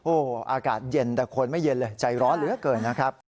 โอ้โหอากาศเย็นแต่คนไม่เย็นเลยใจร้อนเหลือเกินนะครับ